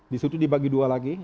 disitu dibagi dua lagi